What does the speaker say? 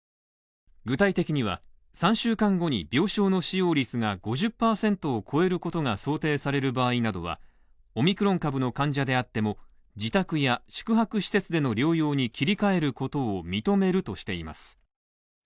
具体的には、３週間後に病床の使用率が５０％を超えることが想定される場合などは、オミクロン株の患者であっても、自宅や宿泊施設での療養に切り替えることを認めるとしています。